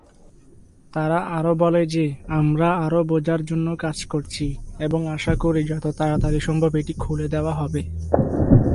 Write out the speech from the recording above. তারা আরও বলে যে, "আমরা আরো বোঝার জন্য কাজ করছি এবং আশা করি যত তাড়াতাড়ি সম্ভব এটি খুলে দেওয়া হবে।"